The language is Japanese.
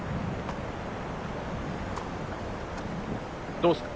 どうっすか？